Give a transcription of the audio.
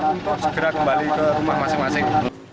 untuk segera kembali ke rumah masing masing